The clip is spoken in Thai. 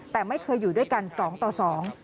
แต่ไม่เคยอยู่ด้วยกันสองต่อสอง